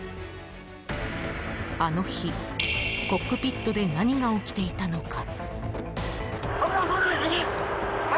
あの日、コックピットで何が起きていたのか。